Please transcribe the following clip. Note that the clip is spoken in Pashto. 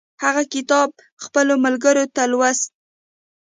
هغه کتاب خپلو ملګرو ته لوست.